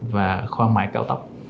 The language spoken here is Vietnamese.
và khoang mài cao tóc